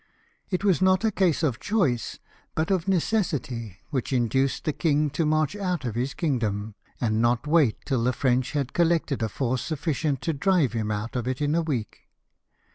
It was not a case of choice, but of neces sity, which induced the king to march out of his kingdom, and not wait till the French had collected a force sufficient to drive him out of it in a week."